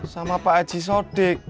sama pak haji sodik